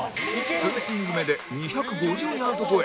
２スイング目で２５０ヤード超え